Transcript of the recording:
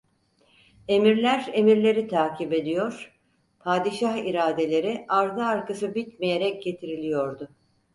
Emirler emirleri takip ediyor, padişah iradeleri ardı arkası bitmeyerek getiriliyordu.